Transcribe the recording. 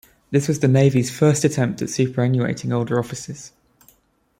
This was the Navy's first attempt at superannuating older officers.